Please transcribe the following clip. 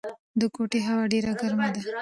د کوټې هوا ډېره ګرمه ده.